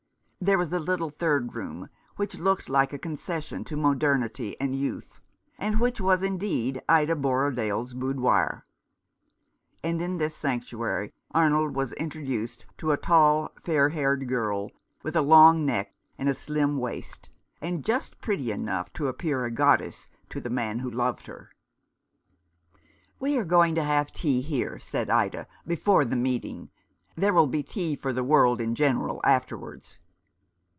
There was a little third room which looked like a concession to modernity and youth, and which was indeed Ida Borrodaile's boudoir ; and in this sanctuary Arnold was introduced to a tall, fair haired girl, with a long neck and a slim waist, and just pretty enough to appear a goddess to the man who loved her. 216 Nineteenth century Crusaders. "We are going to have tea here," said Ida, "before the meeting. There will be tea for the world in general afterwards."